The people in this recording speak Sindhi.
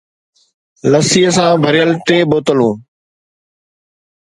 لسي سان ڀريل ٽي بوتلون